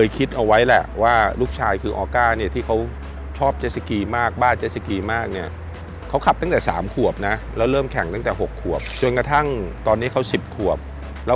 ครั้งนี้นะ